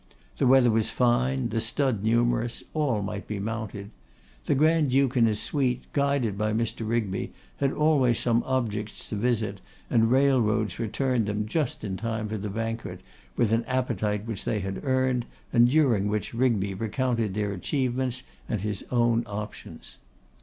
The weather was fine; the stud numerous; all might be mounted. The Grand duke and his suite, guided by Mr. Rigby, had always some objects to visit, and railroads returned them just in time for the banquet with an appetite which they had earned, and during which Rigby recounted their achievements, and his own opinions.